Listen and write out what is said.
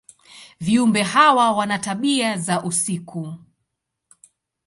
Viumbe hawa wana tabia za usiku.